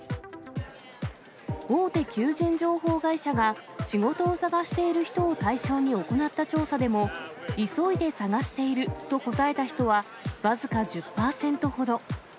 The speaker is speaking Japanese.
大手求人情報会社が仕事を探している人を対象に行った調査でも、急いで探していると答えた人は僅か１０％ほど。